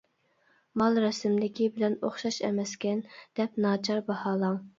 مال رەسىمدىكى بىلەن ئوخشاش ئەمەسكەن، دەپ ناچار باھالاڭ.